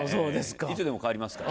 いつでも代わりますから。